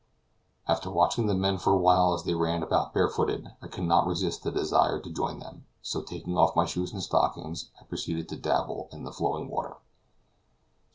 After watching the men for a while as they ran about bare footed, I could not resist the desire to join them, so taking off my shoes and stockings, I proceeded to dabble in the flowing water.